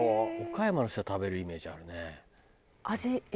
岡山の人は食べるイメージあるね。